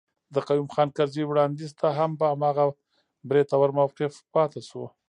د قيوم خان کرزي وړانديز ته هم په هماغه بریتور موقف پاتي شو.